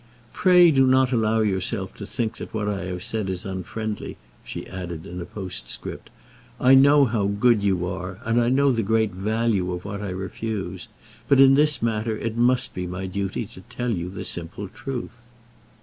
"Pray do not allow yourself to think that what I have said is unfriendly," she added, in a postscript. "I know how good you are, and I know the great value of what I refuse; but in this matter it must be my duty to tell you the simple truth."